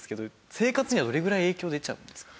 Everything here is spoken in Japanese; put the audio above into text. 生活にはどれぐらい影響出ちゃうんですか？